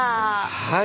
はい！